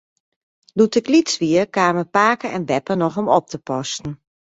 Doe't ik lyts wie, kamen pake en beppe noch om op te passen.